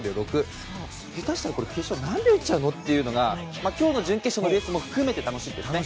下手したら決勝何秒いっちゃうのって今日の準決勝のレースも含めて楽しみですね。